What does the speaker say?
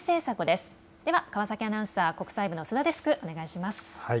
では川崎アナウンサー、国際部の須田デスクお願いします。